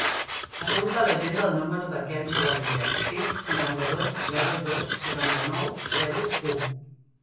Apunta a l'agenda el número del Quel Javaloyes: sis, cinquanta-dos, zero, dos, setanta-nou, zero, u.